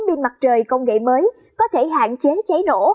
pin mặt trời công nghệ mới có thể hạn chế cháy nổ